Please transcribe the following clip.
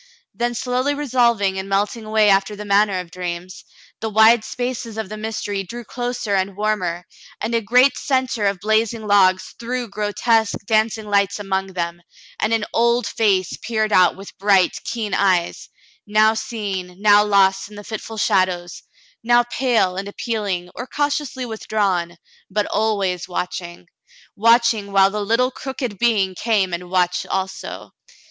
Then slowly resolving and melting away after the manner of dreams, the wide spaces of the mystery drew closer and warmer, and a great centre of blazing logs threw grotesque, dancing lights among them, and an old,';^ face peered out with bright, keen eyes, now seen, now lost in the fitful shadows, now pale and appealing or cautiously withdrawn, but always watching — watching while the little crooked being came and watched also.